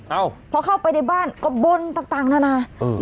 เอ้าเพราะเข้าไปในบ้านก็บ้นต่างต่างนะนะอืม